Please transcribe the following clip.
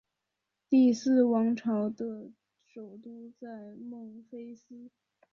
第四王朝的首都在孟菲斯。